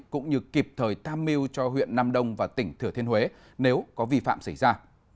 cũng như kịp thời tham mưu cho huyện nam đông và tỉnh thừa thiên huế nếu có vi phạm xảy ra